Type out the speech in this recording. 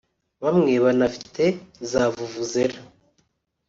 bamwe banafite za Vuvuzela